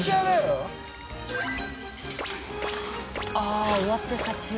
あぁ終わって撮影。